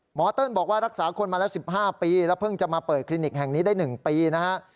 เติ้ลบอกว่ารักษาคนมาแล้ว๑๕ปีแล้วเพิ่งจะมาเปิดคลินิกแห่งนี้ได้๑ปีนะฮะ